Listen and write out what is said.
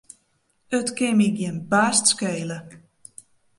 It kin my gjin barst skele.